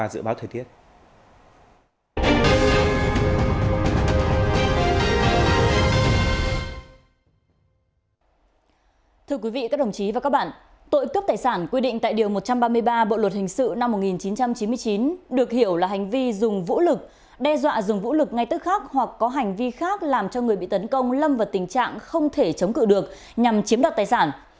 đe dọa dùng vũ lực ngay tức khác hoặc có hành vi khác làm cho người bị tấn công lâm vật tình trạng không thể chống cự được nhằm chiếm đoạt tài sản